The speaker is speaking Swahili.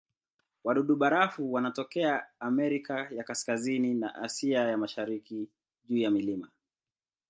Wadudu-barafu wanatokea Amerika ya Kaskazini na Asia ya Mashariki juu ya milima.